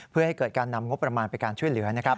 เพื่อให้เกิดการนำงบประมาณไปการช่วยเหลือนะครับ